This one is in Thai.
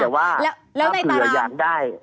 แต่ว่าถ้าเกิดอยากได้